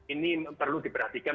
ini perlu diperhatikan